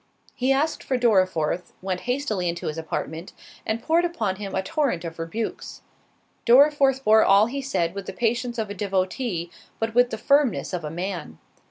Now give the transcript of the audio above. He asked for Dorriforth, went hastily into his apartment, and poured upon him a torrent of rebukes. Dorriforth bore all he said with the patience of a devotee, but with the firmness of a man.